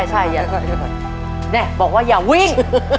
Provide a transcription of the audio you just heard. ใช่นี่บอกว่าอย่าวิ่ง